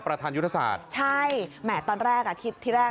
ประธานยุทธศาสตร์ใช่แหมตอนแรกอ่ะคิดที่แรก